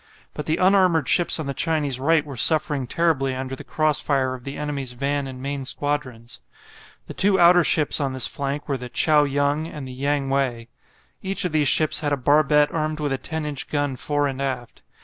But the unarmoured ships on the Chinese right were suffering terribly under the cross fire of the enemy's van and main squadrons. The two outer ships on this flank were the "Chao Yung" and the "Yang wei." Each of these ships had a barbette armed with a 10 inch gun fore and aft.